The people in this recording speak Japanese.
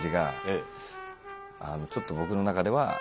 ちょっと僕の中では。